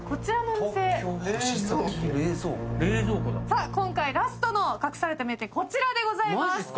さあ今回ラストの隠された名店こちらでございます！